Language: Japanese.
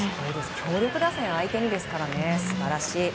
強力打線相手にですから素晴らしい。